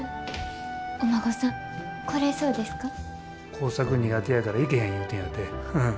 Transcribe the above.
工作苦手やから行けへん言うてんやて。